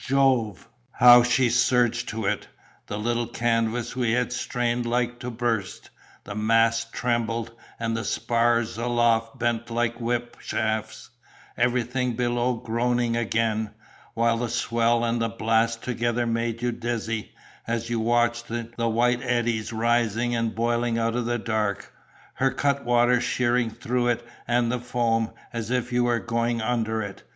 Jove! how she surged to it: the little canvas we had strained like to burst; the masts trembled, and the spars aloft bent like whip shafts, everything below groaning again; while the swell and the blast together made you dizzy, as you watched the white eddies rising and boiling out of the dark—her cutwater shearing through it and the foam, as if you were going under it.